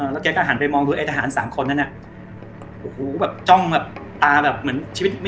แล้วแกก็หันไปมองดูไอ้ทหาร๓คนนั้นน่ะโอ้โหแบบจ้องแบบตาแบบเหมือนชีวิต